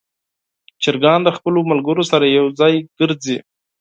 چرګان د خپلو ملګرو سره یو ځای ګرځي.